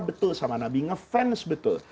betul sama nabi ngefans betul